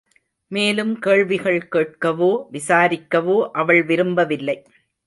மேலும் கேள்விகள் கேட்கவோ, விசாரிக்கவோ அவள் விரும்பவில்லை.